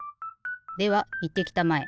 ではいってきたまえ。